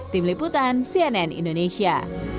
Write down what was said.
tim liputan cnn indonesia